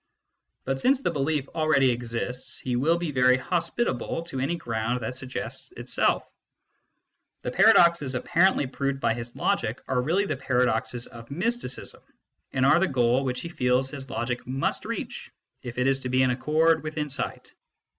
But since the belief already exists, he will be very hos pitable to any ground that suggests itself. The paradoxes apparently proved by his logic are really the paradoxes of mysticism, and are the goal which he feels his logic must reach if it is to be in accordance with insight.